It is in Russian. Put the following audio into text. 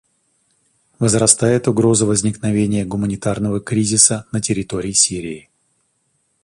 Возрастает угроза возникновения гуманитарного кризиса на территории Сирии.